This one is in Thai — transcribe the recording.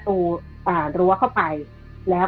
คือเรื่องนี้มัน